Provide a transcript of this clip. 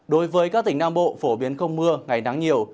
đối với các tỉnh nam bộ phổ biến không mưa ngày nắng nhiều